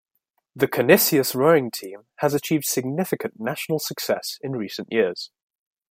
The Canisius rowing team has achieved significant national success in recent years.